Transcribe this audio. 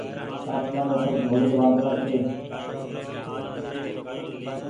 آسمآني پر ڍوڙي وآۮڙآ ڇي۔